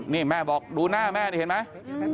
นี่แม่บอกดูหน้าแม่นี่เห็นไหม